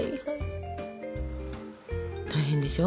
大変でしょ？